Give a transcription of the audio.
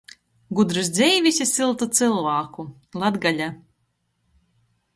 Gudrys dzeivis i syltu cylvāku! Latgola...